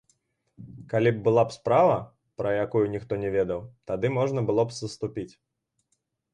Калі б была справа, пра якую ніхто не ведаў, тады можна было б саступіць.